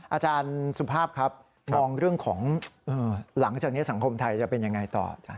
อาจารย์สุภาพครับมองเรื่องของหลังจากนี้สังคมไทยจะเป็นยังไงต่ออาจารย